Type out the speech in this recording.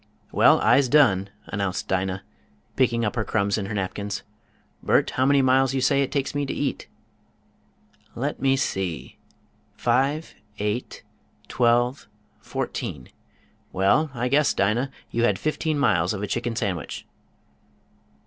"Well, I'se done," announced Dinah, picking up her crumbs in her napkins. "Bert, how many miles you say it takes me to eat?" "Let me see! Five, eight, twelve, fourteen: well, I guess Dinah, you had fifteen miles of a chicken sandwich."